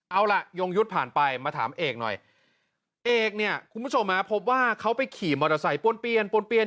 เอาล่ะยงยุทธ์ผ่านไปมาถามเอกหน่อยเอกเนี่ยคุณผู้ชมฮะพบว่าเขาไปขี่มอเตอร์ไซค์ป้วนเปลี่ยนป้วนเปลี่ยน